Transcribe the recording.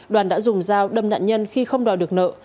đoàn đã dùng dao đâm nạn nhân khi không đòi được nợ